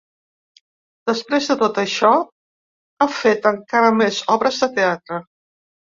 Després de tot això, ha fet encara més obres de teatre.